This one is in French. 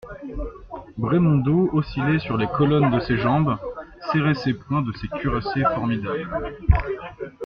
Brémondot oscillait sur les colonnes de ses jambes, serrait ses poings de cuirassier formidable.